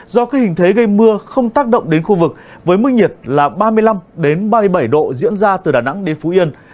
do các hình thế gây mưa không tác động đến khu vực với mức nhiệt là ba mươi năm ba mươi bảy độ diễn ra từ đà nẵng đến phú yên